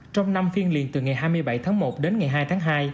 trong năm phiên liền từ ngày hai mươi bảy tháng một đến ngày hai tháng hai